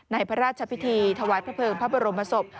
พระราชพิธีถวายพระเภิงพระบรมศพ